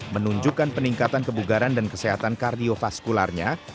menunjukkan peningkatan kebugaran dan kesehatan kardiofaskularnya